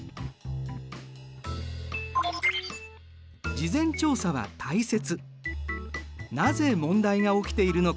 「事前調査」は大切。